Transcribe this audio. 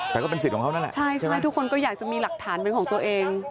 แต่ก็เป็นสิทธิ์เขานั่นแหละใช่ใช่ทุกคนก็อยากจะมีหลักฐานเป็นของตัวเอง